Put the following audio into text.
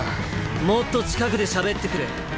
もっと近くでしゃべってくれ。